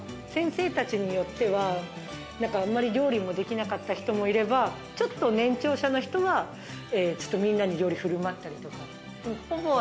先生たちによってはあんまり料理ができなかった人もいればちょっと年長者の人はみんなに料理をふるまったりとか。